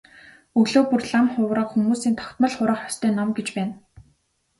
Өглөө бүр лам хувраг хүмүүсийн тогтмол хурах ёстой ном гэж байна.